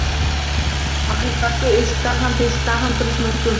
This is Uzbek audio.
Haqiqatga eshikdan ham, teshikdan ham kirish mumkin